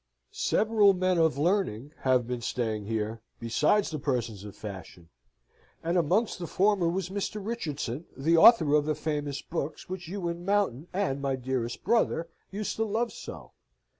Several men of learning have been staying here besides the persons of fashion; and amongst the former was Mr. Richardson, the author of the famous books which you and Mountain and my dearest brother used to love so.